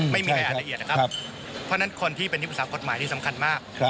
ไม่มีใครอ่านละเอียดหรือครับเพราะฉะนั้นคนที่เป็นศิษย์ภาคกฎหมายที่สำคัญมาก